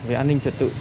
về an ninh trật tự